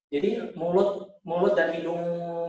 jadi mulut dan hidung